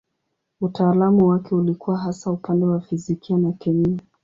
Utaalamu wake ulikuwa hasa upande wa fizikia na kemia.